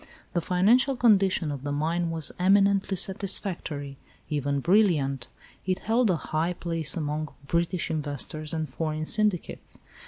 The financial condition of the mine was eminently satisfactory, even brilliant. It held a high place among British investors and foreign syndicates.